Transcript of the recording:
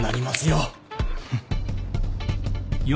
フッ。